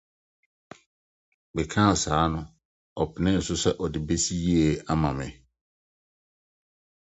Mekaa saa no, ɔpenee so sɛ ɔde besi yiye ama me.